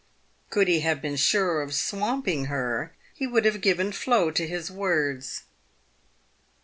Could he have been sure of swamping her, he would have given flow to his words.